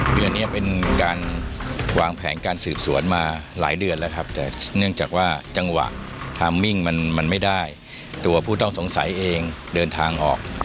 เดือนนี้เป็นการวางแผนการสืบสวนมาหลายเดือนแล้วครับแต่เนื่องจากว่าจังหวะทามมิ่งมันไม่ได้ตัวผู้ต้องสงสัยเองเดินทางออก